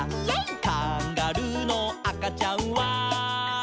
「カンガルーのあかちゃんは」